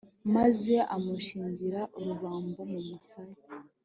maze amushingira urubambo mu musaya